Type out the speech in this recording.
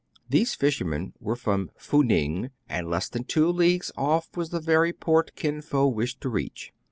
These fishermen were from Fou Ning, and less than two leagues off was the very port Kin Fo wished to reach.